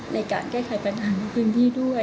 ในการแก้ไขปัญหาในพื้นที่ด้วย